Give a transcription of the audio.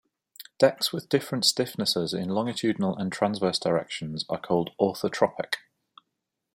Decks with different stiffnesses in longitudinal and transverse directions are called 'orthotropic'.